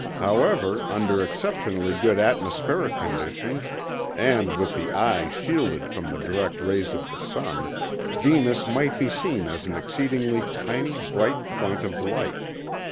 However, under exceptionally good atmospheric conditions, and with the eye shielded from the direct rays of the sun, Venus might be seen as an exceedingly tiny bright point of light.